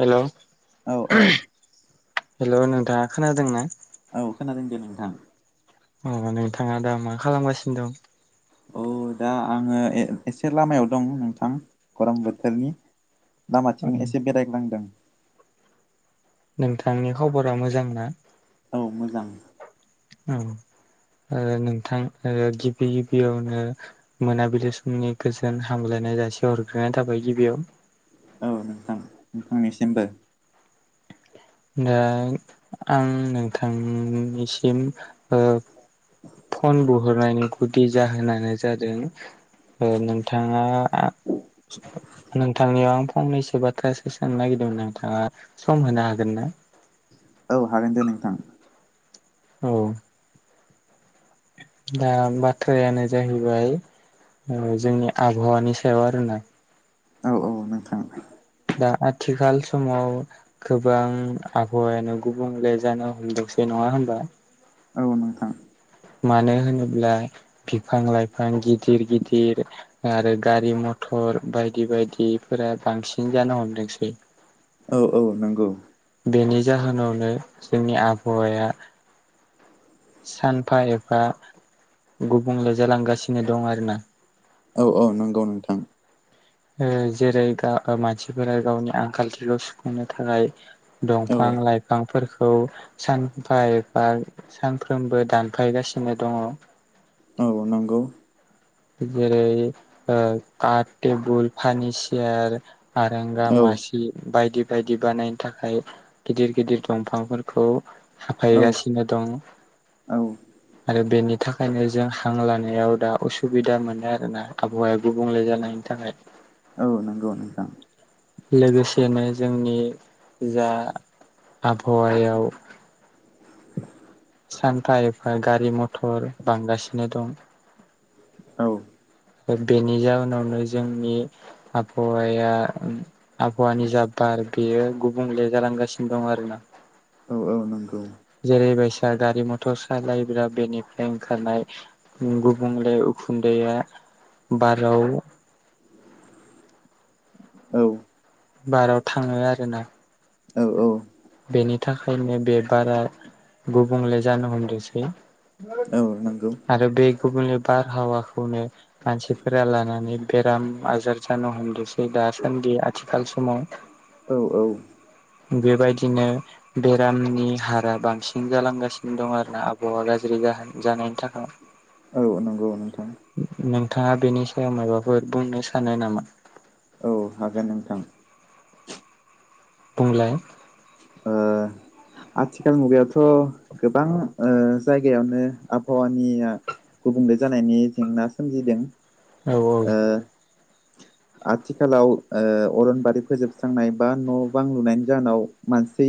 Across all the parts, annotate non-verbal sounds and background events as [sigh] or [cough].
हेल' औ औ हेल' नोंथाङा खोनादों ना? औ खोनादों दे नोंथां। अ नोंथाङा दा मा खालामगासिनो दं? औ दा आङो ए एसे लामायाव दं नोंथां गरम बोथोरनि। औ लामाथिं एसे बेरायग्लांदों। नोंथांनि खबरा मोजां ना? औ मोजां। औ ओ नोंथां ओ गिबि गिबियावनो मोनाबिलि समनि गोजोन हामलायनाय जासि हरग्रोनाय थाबाय गिबियाव। औ नोंथां नोंथांनिसिमबो। दा आं नोंथांनिसिम ओ फन बुहरनायनि गुदि जाहोनानो जादों ओ नोंथाङा नोंथांनियाव आं फंनैसो बाथ्रासो सोंनो नागिरदोंमोन नोंथाङा सम होनो हा गोनना? औ हागोन दे नोंथां। औ दा बाथ्रायानो जाहैबाय ओ जोंनि आबहावानि सायाव आरोना। औ औ नोंथां दा आथिखाल समाव गोबां आबहावायानो गुबुंले जानो हमदोंसै नङा होमबा। औ नोंथां मानो होनोब्ला बिफां लाइफां गिदिर गिदिर आरो गारि मथर बायदि बायदिफोरा बांसिन जानो हमदोंसै। औ औ नोंगौ। बेनि जाहोनावनो जोंनि आबहावाया सानफा एफा गुबुंले जालांगासिनो दं आरोना। औ औ नोंगौ नोंथां। ओ जेरै गा ओ मानसिफोरा गावनि आंखालथिखौ सुफुंनो थाखाय औ दंफां लाइफांफोरखौ सानफा एफा सानफ्रोमबो दानफायगासिनो दङ'। औ नोंगौ जेरै ओ काट, टेबुल, फानिसियार आरांगा, औ मासि बे बायदि बायदि बानायनो थाखाय गिदिर गिदिर दंफांफोरखौ औ हाफायगासिनो दं। औ आरो बेनि थाखायनो जों हां लानायाव दा उसु सुबिदा मोनो आरोोना आबहावाया गुबुंले जानायनि थाखाय। औ नोंगौ नोंथां। लोगोसेनो जोंनि जा आबहावायाव सानफा ए ओ गारि मथर बांगासिनो दं। औ ओ बेनि जाउनावनो जोंनि आबहावाया उम आबहावानि जा बार बेयो गुबुंले जालांगासिनो दं आरोना। औ औ नोंगौ। जेरैबायसा गारि मथर सालायब्ला बेनिफ्राय ओंखारनाय उम गुबुंले उखुन्दैया बाराव औ बाराव थाङो आरोना। औ औ बेनि थाखायनो बे बारा गुबुंले जानो हमदोसै। औ नंगौ आरो बे गुबुंले बारहावाखौनो मानसिफोरा लानानै बेराम आजार जानो हमदोसै दासान्दि आथिखाल समाव। औ औ बेबायदिनो बेरामनि हारा बांसिन जालांगासि दं आरोना आबहावा गाज्रि जाहोन जानायनि थाखाय। औ नंगौ नोंथां। नोंथाङा बेनि सायाव माबाफोर बुंनो सानो नामा। औ हागोन नोंथां। बुंलाय। ओ। आथिखाल मुगायावथ' गोबां जायगायावनो आबहावानिया गुबुंले जानायनि जेंना सोमजिदों औ ओ आथिखालाव अरनबारि फोजोबस्रांनाय बा न' बां लुनायनि जाहोनाव मानसि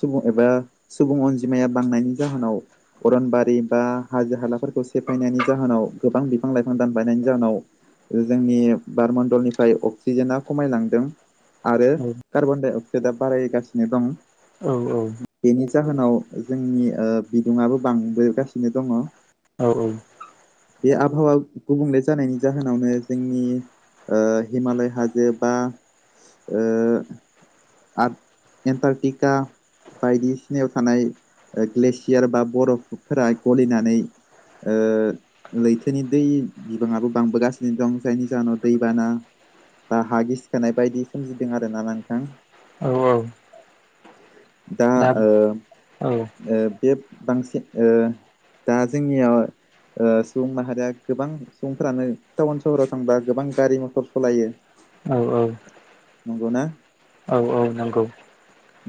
सुबुं एबा सुबुं अनजिमाया बांनायनि जाहोनाव अरनबारि बा हाजो हालाफोरखौ सेफायनायनि जाहोनाव गोबां बिफां लाइफां दाफायनायनि जाहोनाव जोंनि बारमण्डलनिफ्राय अक्सिजेना खमायलांदों आरो कार्बन डाइ अक्साइदआ बारायगासिनो दं औ औ। बेनि जाहोनाव जोंनि बिदुुंआबो बांबोगासिनो दङ औ औ बे आबहावा गुबुंले जानायनि जाहोनावनो जोंनि ओ हिमालय हाजो बा ओ आर एन्टारटिका बायदिसिनायाव थानाय ग्लेसियार बा बरफफोरा गलिनानै ओ लैथोनि दै बिबाङाबो बांबोगासिनो दं जायनि जाहोनाव दैबाना दा हा गिसिखोनाय बायदि सोमजिदों आर ना नोंथां औ औ। दा ओ औ ओ बे बांसिन ओ दा जोंनियाव सुबुं माहारिया गोबां सुबुंफोरानो टाउन सहराव थांबा गोबां गारि मथर सलायो औ औ नंगौना औ औ नंगौ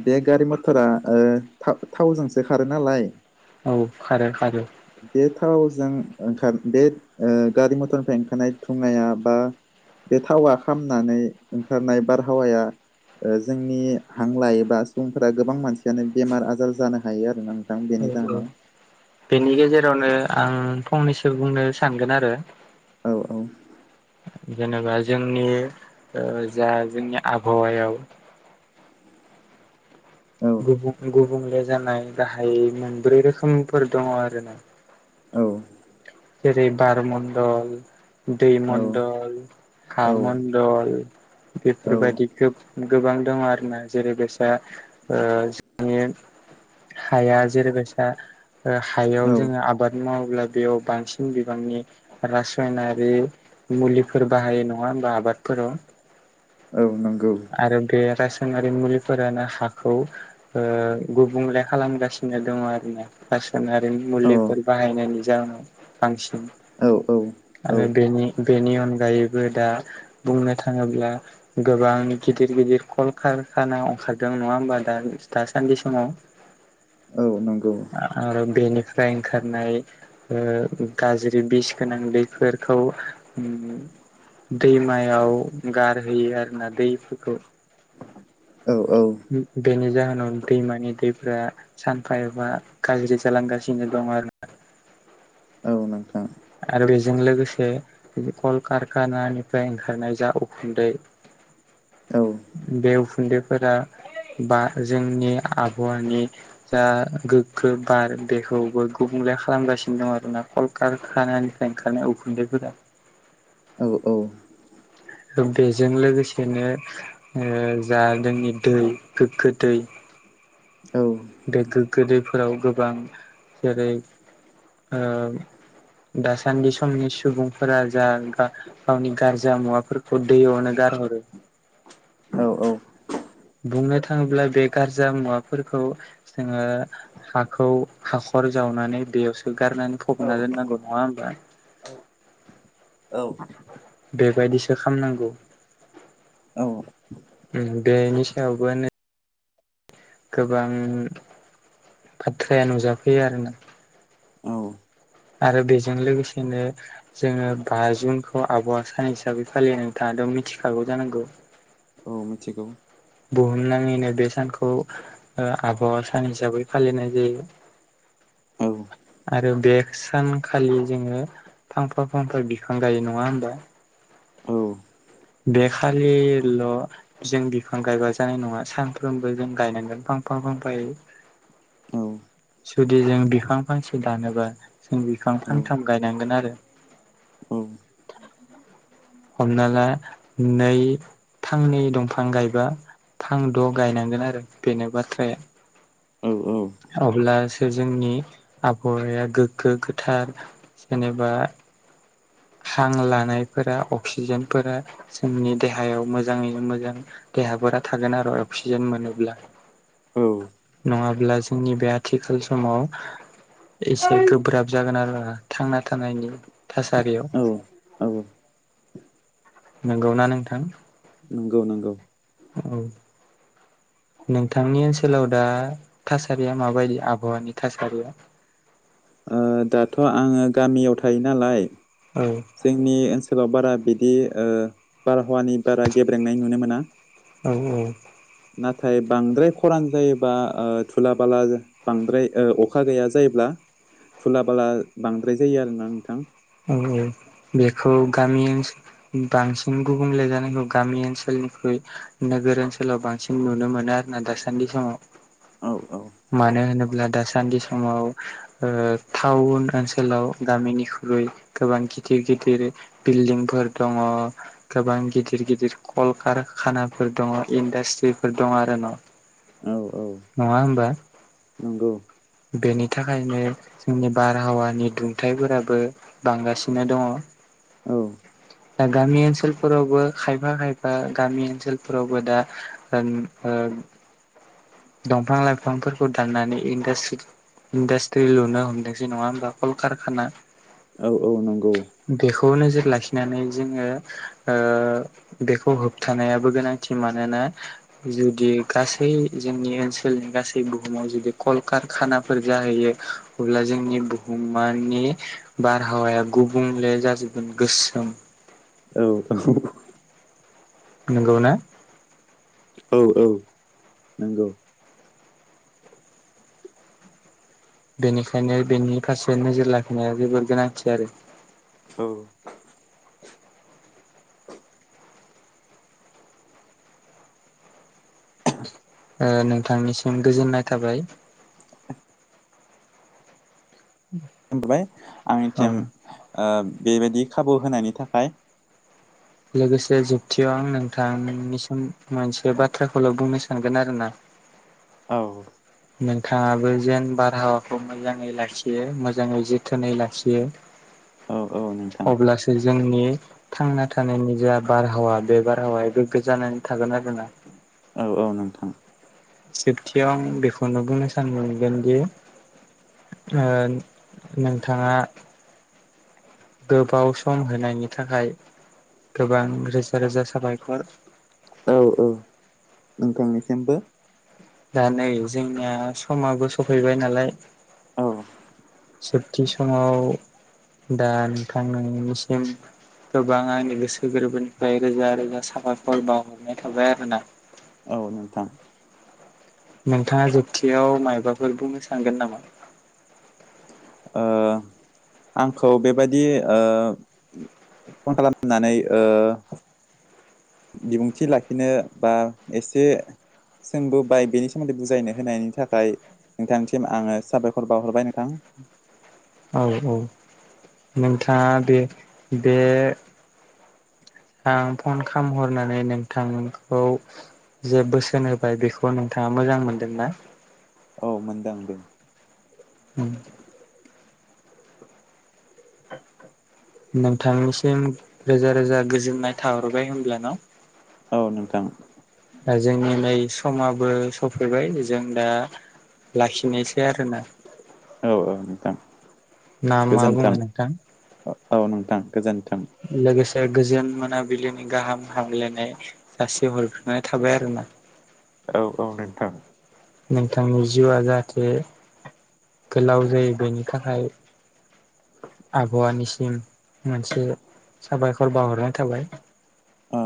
बे गारि मथरा ओ थावजोंसो खारो नालाय औ खारो खारो बे थावजों ओंखार बे ओ गारि मथरनिफ्राय ओंखारनाय थुंनाया बा बे थावा खामनानै ओंखारनाय बारहावाया ओ जोंनि हां लायोबा सुबुंफोरा गोबां मानसियानो बेमार आजार जानो हायो आरोना नोंथां बेनि औ औ जाहोनाव बेनि गेजेरावनो आं फंनैसो बुंनो सानगोन आरो औ औ जेनेबा जोंनि जा जोंनि आबहावायाव औ गुबुं गुबुंले जानाय गाहाय मोनब्रै रोखोमफोर दङ आरोना औ जेरै बार मण्डल दै औ मण्डल हा औ मण्डल बेफोरबादि औ गोब-गोबां दङ आरोना जेरै गोसा ओ जोंनि हाया जेरैबायसा हायाव औ जोङो आबाद मावोब्ला बेयाव बांसिन बिबांनि रासायनारि मुलिफोर बाहायो नङा होमबा आबादफोराव औ नंगौ आरो बे रासनारि मुलिफोरानो हाखौ गुबुंले खालामगासिनो दङ आरोना रासायनारिनि औ मुलिफोर बाहायनायनि जाहोनाव बांसिन औ औ औ आरो बेनि बेनि अनगायैबो दा बुंनो थाङोब्ला गोबां गिदिर गिदिर कल खारखाना ओंखारदों नङा होमबा दा दासान्दि समाव औ नंगौ आरो बेनिफ्राय ओंखारनाय ओ गाज्रि बिस गोनां दैफोरखौ ओम दैमायाव गारहैयो आरोना दै औ औ बेनि जाहोनाव दैमानि दैफोरा सानफा एफा गाज्रि जालांगासिनो दं आरो औ नोंथां। आरो बेजों लोगोसे कल कलखारखानानिफ्राय ओंखारनाय जा उखुन्दै औ। बे उखुन्दैफोरा बा जोंनि आबहावानि जा गोग्गो बार बेखौबो गुबुंले खालामगासिनो दं आरोना कलखार खानिफ्राय ओंखारनाय उखुन्दैफोरा औ औ। बेजों लोगोसेनो ओ जा जोंनि दै गोग्गो दै औ गोग गोदैफोराव गोबां जेरै ओ दासान्दि समनि सुबुंफोरा जा गावनि गारजा मुवाफोरखौ अ दै आवनो गार हरो। औ औ। बुंनो थाङोब्ला बे गारजा मुवाफोरखौ जोङो हाखौ हाखर जावनानै बेयावसो गारनानै फबना दोननांगौ नङा होमबा? औ औ। बेबायदिसो खालामनांगौ औ उम बेनि सायावबो नै गोबां बाथ्राया नुजाफैयो आरोना। औ। आरो बेजों लोगोसेनो जोङो बा जुनखौ आबहावा सान हिसाबै फालियो नोंथाङाथ' मिथिखागौ जानांगौ। औ मिथिगौ। बुहुम नाङैनो बे सानखौ ओ आबहावा सान हिसाबै फालिनाय जायो। औ आरो बे सानखालि जोङो फांफा फांफा बिफां गायो नङा होमबा? औ। बेखालि ल' जों बिफां गायबा जानाय नङा सानफ्रोमबो जों गायनांगोन फांफां फांफायै। औ जुदि जों बिफां फांसे दानोबा जों बिफां औ फांथाम गायनांगोन आरो। औ। हमना ला नै फांनै दंफां गायबा फांद' गायनांगोन आरो बेनो बाथ्रा या औ थै अब्लासो जोंनि आबहावाया गोग्गो गोथार जेनेबा हां लानायफोरा अक्सिजेनफोरा जोंनि देहायाव मोजाङैनो मोनो। देहाफोरा थागोन आरो अक्सिजेन मोनोब्ला नङाब्ला जों जोंनि बे आथिखाल समाव एसे गोब्राब जागोन आरो आ थांना थानायनि थासारियाव। नंगौना नोंथां। नंगौ नंगौ। नंगौ। नोंथांनि ओनसोलाव दा थासारिया माबायदि आबहावानि थासारिया? ओ दाथ' आङो गामियाव थायो नालाय औ। जोंनि ओनसोलाव बारा बिदि बारहावानि बारा गेब्रेंनाय नुनो मोना। औ औ। नाथाय बांद्राय खरान जायोबा थुला बाला बांद्राय अखा गैया जायोब्ला थुला बाला बांद्राय जायो आरोना नोंथां। औ औ बेखौ गामि ओनसोल बांसिन गुबुंले जानायखौ गामि ओनसोलनिख्रुइ नोगोर ओनसोलाव बांसिन नुनो मोनो आरोना दासान्दि समाव औ-औ मानो होनोब्ला दासान्दि समाव टाउन ओनसोलाव गामिनि ख्रुइ गोबां गिदिर गिदिर बिल्डिंफोर दङ गोबां गिदिर गिदिर कलकारखानाफोर दङ इन्डास्ट्रिफोर दं आरो न' औ-औ नङा होमबा नंगौ बेनि थाखायनो जोंनि बारहावानि दुंथाइफोराबो बांगासिनो दङ औ दा गामि ओनसोलफोरावबो खायफा खायफा गामि ओनसोलफोरावबो दा ओम ओ दंफां लाइफांफोरखौ दाननानै इडासट्रि इन्डासट्रि लुनो हमदोंसै नङा होनोमबा कलकारखाना औ-औ नंगौ बेखौ नोजोर लाखिनानै जोङो बेखौ होबथानायाबो गोनांथि मानोना जुदि गासै जोंनि ओनसोलनि गासै बुहुमाव जुदि कलकारखानाफोर जाहैयो अब्ला जोंनि बुहुमानि बारहावाया गुबुंले जाजोबगोन गोसोम औ-औ नोंगौ ना औ-औ नोंगौ बेनिखायनो बेनि फारसे नोजोर लाखिनाया जोबोर गोनांथि आरो औ ओ नोंथांनिसिम गोजोननाय थाबाय होनबाय औ आंनिसिम बेबायदि खाबु होनायनि थाखाय लोगोसे जोबथियाव आं नोंथांनिसिम मोनसे बाथ्राखौल' बुंनो सानगोन आरोना औ नोंथाङाबो जेन बारहावाखौ मोजाङै लाखियो मोजाङै जोथोनै लाखियो [inaudible] नोंथां अब्लासो जोंनि थांना थानायनि जा बारहावा बे बारहावाया गोग्गो जानानै थागोन आरोना औ-औ नोंथां जोबथियाव आं बेखौनो बुंनो सान मोनगोनदि ओ नोंथाङा गोबाव सम होनायनि थाखाय गोबां रोजा रोजा साबायखर औ-औ नोंथांनिसिमबो दा नै जोंनिया समाबो सफैबाय नालाय औ जोबथि समाव दा नोंथां नोंनिसिम गोबां आंनि गोसो गोरबोनिफ्राय रोजा रोजा सााबाफर बावहरनाय थाबाय आरोना औ नोंथां नोंथाङा जोबथियाव मायबाफोर बुंनो सानगोन नामा ओ आंखौ बेबायदि ओ फन खालामनानै ओ बिबुंथि लाखिनो बा एसे सोंबोबाय बेनि सोमोन्दै बुजायनो होनायनि थाखाय नोंथांनिसिम आङो साबायखर बावहरबाय नोंथां औ-औ नोंथाङा बे बे आं फन खालामहरनानै नोंथांमोनखौ जे बोसोन होबाय बेखौ नोंथाङा मोजां मोनदोंना? औ मोनदों आंबो उम [inaudible] नोंथांनिसिम रोजा रोजा गोजोननाय थाहरबाय होनबा न'। औ नोंथां। दा जोंनि नै समाबो सफैबाय जों दा लाखिनायसै आरो ना। औ औ नोंथां ना मा बुङो नोंथां? ओ औ नोंथां गोजोन्थों। लोगोसे गोजोन मोनाबिलिनि गाहाम हामलायनाय जासि हरगोरनाय थाबाय आरो ना। औ औ नोंथां नोंथांनि जिउआ जाहाथे गोलाव जायो बेनि थाखाय आबहावानिसिम मोनसे साबायखर बावाहरनाय थाबाय। औ